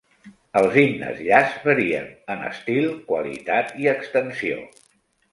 Els himnes Yashts varien en estil, qualitat i extensió.